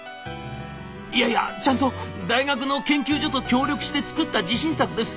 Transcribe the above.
「いやいやちゃんと大学の研究所と協力して作った自信作です